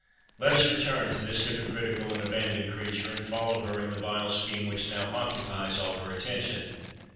Let us return to this hypocritical and abandoned creature, and follow her in the vile scheme which now occupies all her attention.